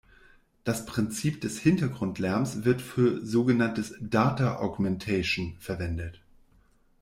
Das Prinzip des Hintergrundlärms wird für sogenanntes "Data Augmentation" verwendet.